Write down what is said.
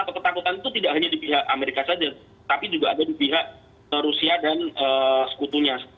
karena ketakutan itu tidak hanya di pihak amerika saja tapi juga ada di pihak rusia dan sekutunya